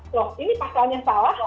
loh ini pasalnya salah